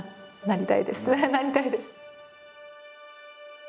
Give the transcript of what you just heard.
なりたいです！